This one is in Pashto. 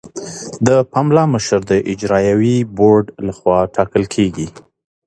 د پملا مشر د اجرایوي بورډ لخوا ټاکل کیږي.